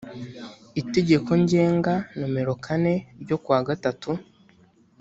itegeko ngenga nomero kane ryo ku wa gatatu